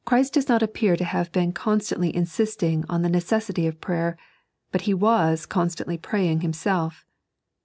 Chmt does not appear to have been const&ntlj' insisting on the necessity of prayer, but He was constantly praying Himeelf.